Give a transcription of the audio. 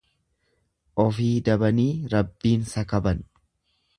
Ofii dabanii Rabbiin sakaban.